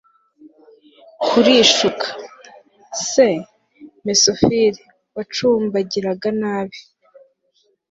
kuri shuka. se, messopirr, wacumbagiraga nabi